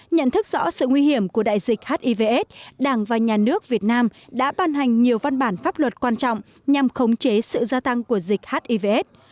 nhận thức rõ sự nguy hiểm của đại dịch hivs đảng và nhà nước việt nam đã ban hành nhiều văn bản pháp luật quan trọng nhằm khống chế sự gia tăng của dịch hivs